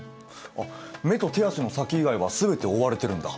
目と手足の先以外は全て覆われてるんだ。